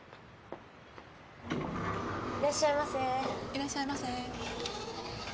いらっしゃいませ。